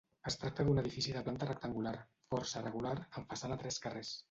Es tracta d'un edifici de planta rectangular, força regular, amb façana a tres carrers.